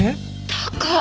高っ！